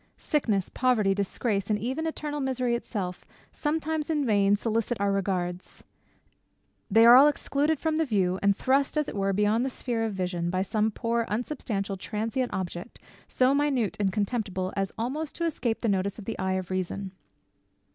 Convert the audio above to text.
Sickness, poverty, disgrace, and even eternal misery itself, sometimes in vain solicit our regards; they are all excluded from the view, and thrust as it were beyond the sphere of vision, by some poor unsubstantial transient object, so minute and contemptible as almost to escape the notice of the eye of reason.